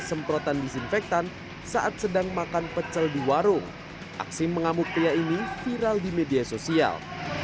semprotan disinfektan saat sedang makan pecel di warung aksi mengamuk pria ini viral di media sosial